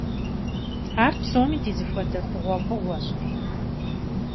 Ар псоми ди зэхуэдэ хъугъуэфӀыгъуэщ.